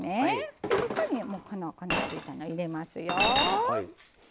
ここにもうこの粉ついたの入れますよ。